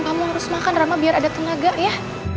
kamu harus makan rama biar ada tenaga ya